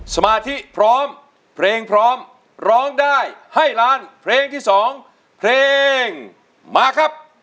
สมาธิพร้อมเพลงพร้อมร้องได้ให้ล้านเพลงที่สองเพลงมาครับ